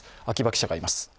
秋場記者がいます。